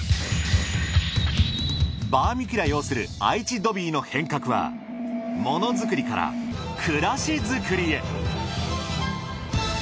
バーミキュラ擁する愛知ドビーの変革はもの作りから暮らしづくりへ。